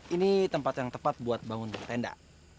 ini tempat yang tepat buat bangun tenda